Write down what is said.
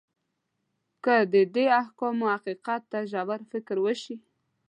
که د دې احکامو حقیقت ته ژور فکر وشي.